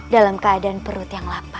dalam keadaan perut yang lapa